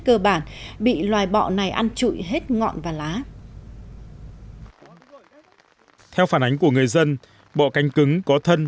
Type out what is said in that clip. cơ bản bị loài bọ này ăn trụi hết ngọn và lá theo phản ánh của người dân bọ cánh cứng có thân